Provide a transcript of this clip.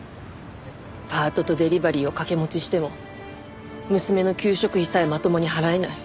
パートとデリバリーを掛け持ちしても娘の給食費さえまともに払えない。